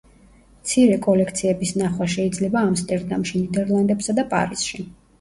მცირე კოლექციების ნახვა შეიძლება ამსტერდამში, ნიდერლანდებსა და პარიზში.